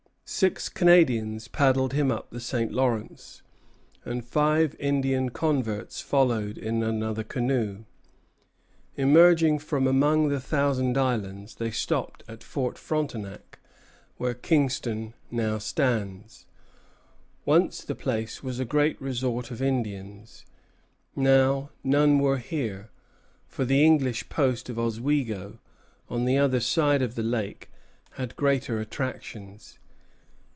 Six Canadians paddled him up the St. Lawrence, and five Indian converts followed in another canoe. Emerging from among the Thousand Islands, they stopped at Fort Frontenac, where Kingston now stands. Once the place was a great resort of Indians; now none were here, for the English post of Oswego, on the other side of the lake, had greater attractions.